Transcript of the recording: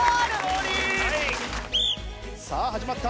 さあ始まった。